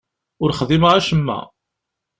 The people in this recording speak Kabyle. Ur xdimeɣ acemma.